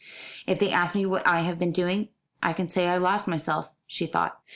"If they ask me what I have been doing I can say I lost myself," she thought.